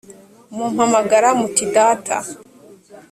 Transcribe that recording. mumpamagara muti data